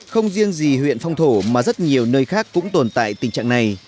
không riêng gì huyện phong thổ mà rất nhiều nơi khác cũng tồn tại tình trạng này